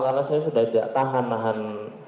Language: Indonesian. karena saya sudah tidak tahan